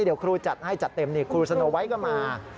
เดี๋ยวครูจัดให้จัดเต็มครูสโนไว้ก็มา